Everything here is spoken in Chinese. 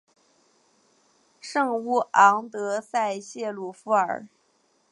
圣乌昂德塞谢鲁夫尔。